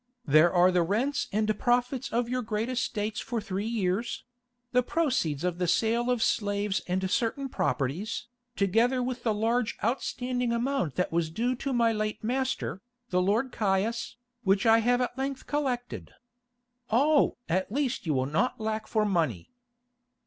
There are the rents and profits of your great estates for three years; the proceeds of the sale of slaves and certain properties, together with the large outstanding amount that was due to my late master, the Lord Caius, which I have at length collected. Oh! at least you will not lack for money."